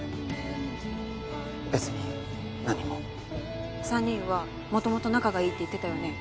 別に何も三人は元々仲がいいって言ってたよね？